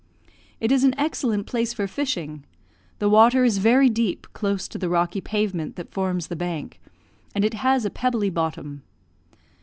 It is an excellent place for fishing; the water is very deep close to the rocky pavement that forms the bank, and it has a pebbly bottom.